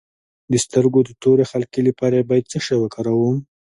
د سترګو د تورې حلقې لپاره باید څه شی وکاروم؟